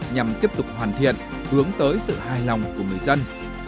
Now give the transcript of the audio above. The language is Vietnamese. nhằm tiếp tục hoàn thiện hướng tới sự hài lòng của người dân